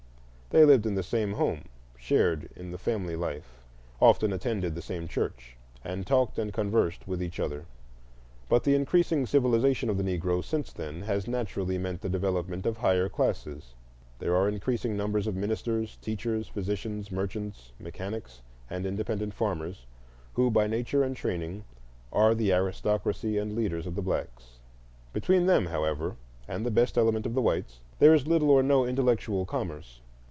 They lived in the same home, shared in the family life, often attended the same church, and talked and conversed with each other. But the increasing civilization of the Negro since then has naturally meant the development of higher classes: there are increasing numbers of ministers, teachers, physicians, merchants, mechanics, and independent farmers, who by nature and training are the aristocracy and leaders of the blacks. Between them, however, and the best element of the whites, there is little or no intellectual commerce.